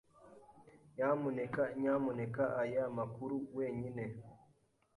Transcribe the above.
Nyamuneka nyamuneka aya makuru wenyine.